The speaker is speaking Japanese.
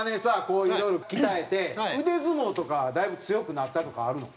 こういろいろ鍛えて腕相撲とかだいぶ強くなったとかあるの？